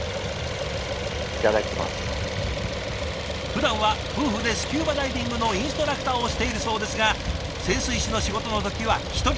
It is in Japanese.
ふだんは夫婦でスキューバダイビングのインストラクターをしているそうですが潜水士の仕事の時は１人。